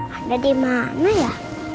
ada di mana ya